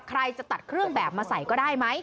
ใครจะตัดเครื่องแบบมาใส่ก็ได้ไหม